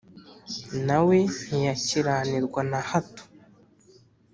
na we ntiyakiranirwa na hato,